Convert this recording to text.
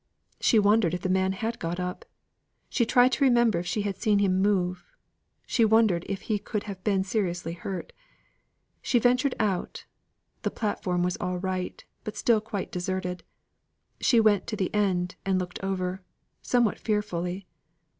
She wondered if the man had got up: she tried to remember if she had seen him move: she wondered if he could have been seriously hurt. She ventured out; the platform was all alight, but still quite deserted; she went to the end, and looked over, somewhat fearfully.